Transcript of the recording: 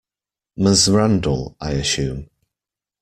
Ms Randall, I assume?